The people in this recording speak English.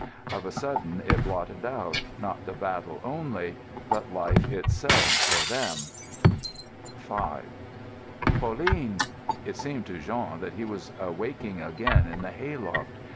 Of a sudden it blotted out, not the battle only, but life itself for them. V "Pauline!" It seemed to Jean that he was awaking again in the hay loft.